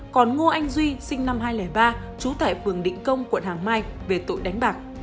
còn ngô anh duy sinh năm hai nghìn ba trú tại phường định công quận hoàng mai về tội đánh bạc